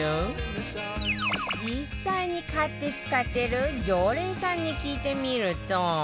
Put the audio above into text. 実際に買って使ってる常連さんに聞いてみると